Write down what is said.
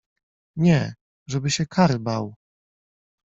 Nie, żeby się kary bał.